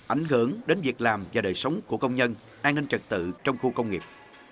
ảnh hưởng đến việc làm và đời sống của công nhân an ninh trật tự trong khu công nghiệp